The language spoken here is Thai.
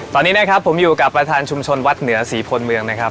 ตอนนี้นะครับผมอยู่กับประธานชุมชนวัดเหนือศรีพลเมืองนะครับ